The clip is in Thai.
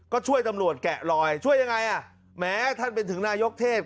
ก็ช่วยตำรวจแกะลอยช่วยยังไงอ่ะแม้ท่านเป็นถึงนายกเทศ